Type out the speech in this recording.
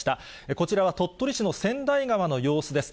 こちらは鳥取市の千代川の様子です。